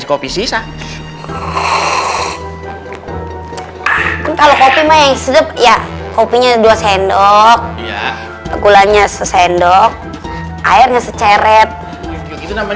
kalau kopinya dua sendok gulanya sendok airnya seceret kopinya sedikit